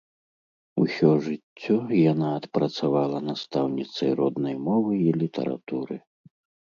Усё жыццё яна адпрацавала настаўніцай роднай мовы і літаратуры.